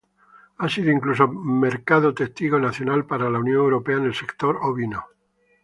Ha sido incluso Mercado Testigo Nacional para la Unión Europea en el sector ovino.